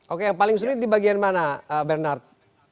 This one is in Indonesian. oke yang paling sulit di bagian mana bernard